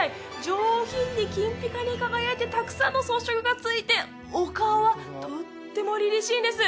上品に金ぴかに輝いてたくさんの装飾が付いてお顔はとっても凜々しいんです